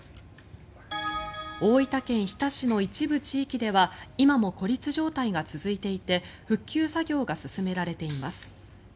大分県日田市の一部地域では今も孤立状態が続いていて復旧作業が進められています。